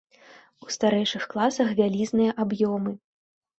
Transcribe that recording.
У старэйшых класах вялізныя аб'ёмы.